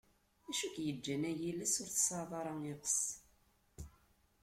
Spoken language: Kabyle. D acu i k-yeǧǧan ay iles ur tesεiḍ ara iɣes?